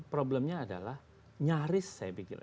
problemnya adalah nyaris saya pikir